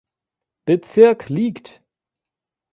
Bezirk liegt.